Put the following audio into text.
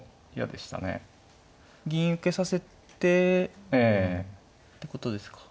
銀受けさせてってことですか。